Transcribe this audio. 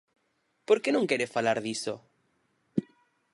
¿Por que non quere falar diso?